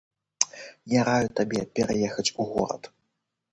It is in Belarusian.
Я раю табе пераехаць у горад.